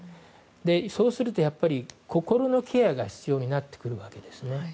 そうすると、心のケアが必要になってくるわけですね。